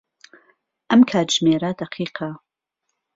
ئەم کاتژمێرە دەقیقە.